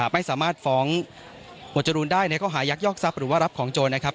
ไม่สามารถฟ้องหมวดจรูนได้ในข้อหายักยอกทรัพย์หรือว่ารับของโจรนะครับ